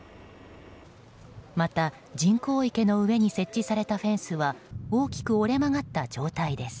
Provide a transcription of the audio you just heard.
また人工池の上に設置されたフェンスは大きく折れ曲がった状態です。